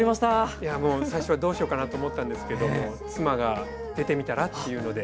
いやあもう最初はどうしようかなと思ったんですけども妻が出てみたらって言うので。